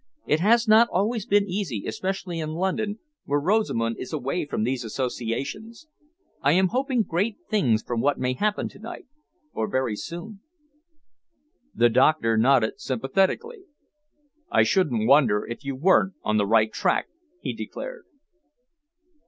"It has not always been easy, especially in London, where Rosamund is away from these associations. I am hoping great things from what may happen to night, or very soon." The doctor nodded sympathetically. "I shouldn't wonder if you weren't on the right track," he declared.